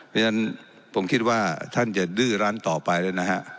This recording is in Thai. เพราะฉะนั้นผมคิดว่าท่านจะดื้อร้านต่อไปเลยนะฮะ